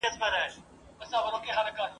څو تنه ژوندي پاته سول؟